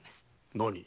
何？